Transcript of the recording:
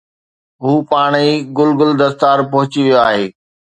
هو پاڻ ئي گل گل دستار پهچي ويو آهي